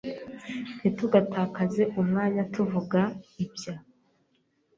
Ntitugatakaze umwanya tuvuga ibya .